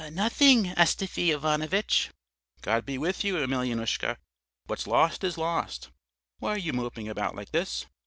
"'Nothing, Astafy Ivanovitch.' "'God be with you, Emelyanoushka, what's lost is lost. Why are you moping about like this?'